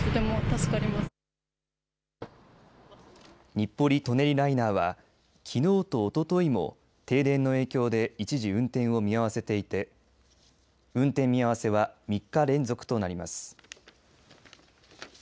日暮里・舎人ライナーはきのうとおとといも停電の影響で一時運転を見合わせていて運転見合わせは３日連続となります。